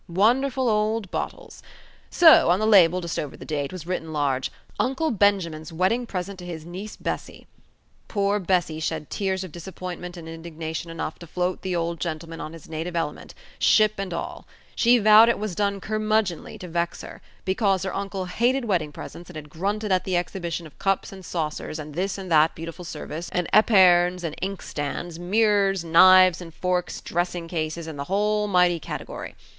Wonderful old bottles! So, on the label, just over the date, was written large: UNCLE BENJAMIN'S WEDDING PRESENT TO HIS NIECE BESSY. Poor Bessy shed tears of disappointment and indignation enough to float the old gentleman on his native element, ship and all. She vowed it was done curmudgeonly to vex her, because her uncle hated wedding presents and had grunted at the exhibition of cups and saucers, and this and that beautiful service, and epergnes and inkstands, mirrors, knives and forks, dressing cases, and the whole mighty category.